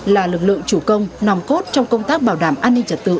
là lực lượng chủ công nòng cốt trong công tác bảo đảm an ninh trật tự